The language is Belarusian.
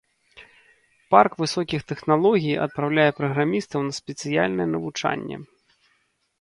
Парк высокіх тэхналогій адпраўляе праграмістаў на спецыяльнае навучанне.